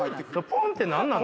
「ポン！」って何なの？